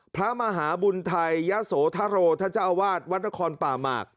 พระมหาบุญไทยยะโสธโรท่านเจ้าอาวาสวัดนครป่าหมาก